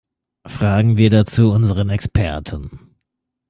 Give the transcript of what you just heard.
Fragen wir dazu unseren Experten.